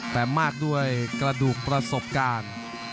ในกระดูกประสบการณ์